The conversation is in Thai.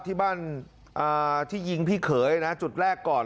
ที่บ้านที่ยิงพี่เขยนะจุดแรกก่อน